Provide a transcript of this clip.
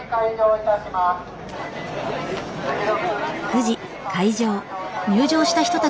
９時開場。